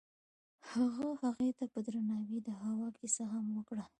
هغه هغې ته په درناوي د هوا کیسه هم وکړه.